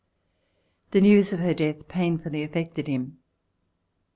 The news of her death painfully affected him.